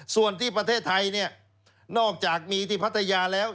ส่วนที่ประเทศไทยเนี่ยนอกจากมีที่พัทยาแล้ว